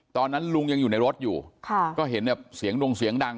ตอนนั้นลุงยังอยู่ในรถอยู่ค่ะก็เห็นแบบเสียงดงเสียงดัง